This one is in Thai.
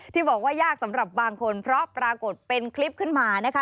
ที่บอกว่ายากสำหรับบางคนเพราะปรากฏเป็นคลิปขึ้นมานะคะ